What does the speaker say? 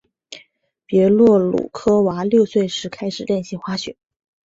别洛鲁科娃六岁时开始练习滑雪。